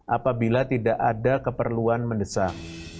apabila tidak ada keperluan mendesak